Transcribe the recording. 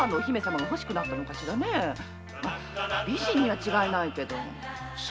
美人には違いないけど。